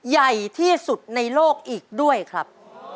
ใหญ่ที่สุดในโลกอีกด้วยครับ